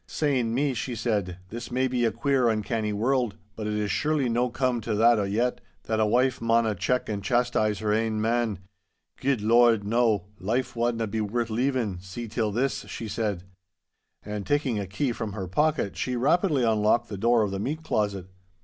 'Sain me,' she said, 'this may be a queer, uncanny world, but it is surely no come to that o't yet, that a wife mauna check and chastise her ain man. Guid Lord, no—life wadna be worth leevin'—see till this—' she said. And taking a key from her pocket she rapidly unlocked the door of the meat closet.